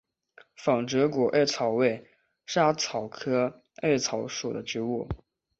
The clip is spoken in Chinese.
反折果薹草为莎草科薹草属的植物。